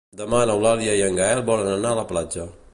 Demà n'Eulàlia i en Gaël volen anar a la platja.